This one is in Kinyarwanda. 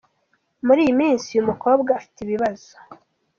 Muri iyi minsi uyu mukobwa afite ibibazo.